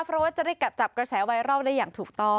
เพราะว่าจะได้กัดจับกระแสไวรัลได้อย่างถูกต้อง